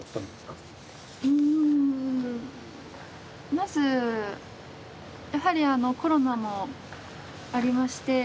まずやはりコロナもありまして。